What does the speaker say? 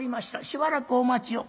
しばらくお待ちを」。